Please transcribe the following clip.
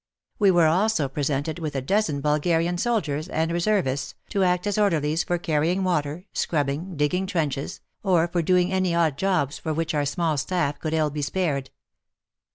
We were also presented with a dozen Bulgarian soldiers and reservists, to act as orderlies for carrying water, scrubbing, digging trenches, or for doing any odd jobs for which our small staff could ill be spared.